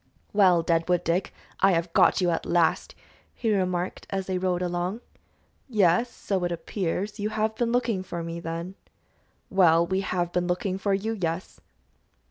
"Well, Deadwood Dick, I have got you at last," he remarked, as they rode along. "Yes, so it appears. You have been looking for me, then?" "Well, we have been looking for you, yes."